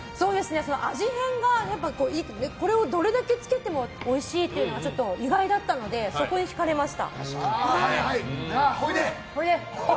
味変が、これをどれだけつけてもおいしいというのがちょっと意外だったのでそこに惹かれました。